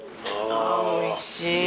あおいしい。